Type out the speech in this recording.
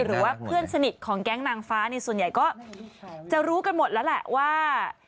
หรือว่าเพื่อนสนิทของแก๊งนางฟ้าส่วนใหญ่ก็จะรู้กันหมดแล้วแหละว่า